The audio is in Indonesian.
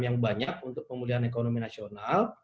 yang banyak untuk pemulihan ekonomi nasional